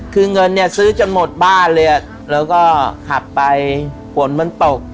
คือเงินเนี่ยซื้อจนหมดบ้านเลยแล้วก็ขับไปฝนมันตก